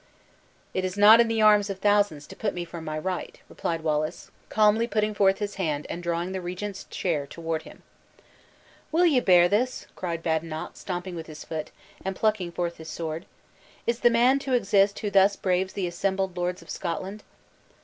"It is not in the arms of thousands to put me from my right," replied Wallace, calmly putting forth his hand and drawing the regent's chair toward him. "Will ye bear this?" cried Badenoch, stamping with his foot, and plucking forth his sword; "is the man to exist who thus braves the assembled lords of Scotland?"